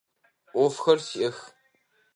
Ӏофхэр сиӏэх.